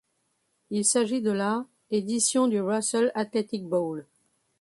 Il s'agit de la édition du Russell Athletic Bowl.